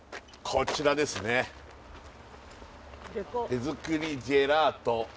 手造りジェラート